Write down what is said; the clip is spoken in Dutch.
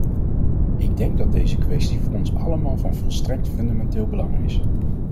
Ik denk dat deze kwestie voor ons allemaal van volstrekt fundamenteel belang is.